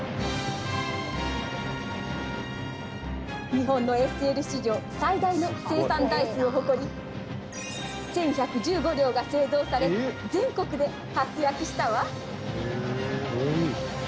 日本のＳＬ史上最大の生産台数を誇り１，１１５両が製造され全国で活躍したわ。